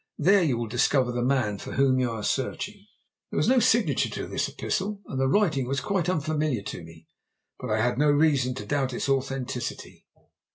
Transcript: There you will discover the man for whom you are searching."_ There was no signature to this epistle, and the writing was quite unfamiliar to me, but I had no reason to doubt its authenticity.